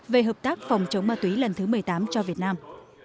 về hợp tác phòng chống ma túy lần thứ một mươi tám cho việt nam